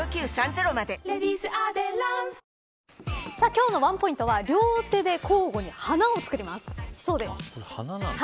今日のワンポイントは両手で交互に花を作ります。